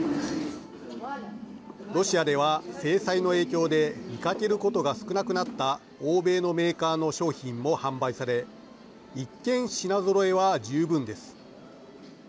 ロシアでは制裁の影響で見かけることが少なくなった欧米のメーカーの商品も販売され一見、品ぞろえは十分です。